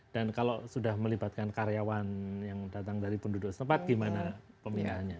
dan kalau sudah melibatkan karyawan yang datang dari penduduk tempat gimana pemindahannya